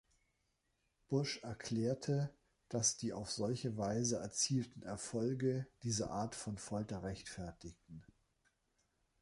Bush erklärte, dass die auf solche Weise erzielten Erfolge diese Art von Folter rechtfertigten.